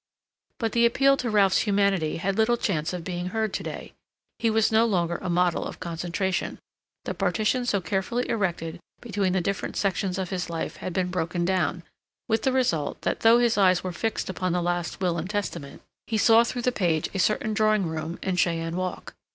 But the appeal to Ralph's humanity had little chance of being heard to day; he was no longer a model of concentration. The partition so carefully erected between the different sections of his life had been broken down, with the result that though his eyes were fixed upon the last Will and Testament, he saw through the page a certain drawing room in Cheyne Walk.